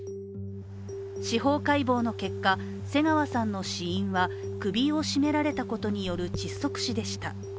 司法解剖の結果、瀬川さんの死因は首を絞められたことによる窒息死でした。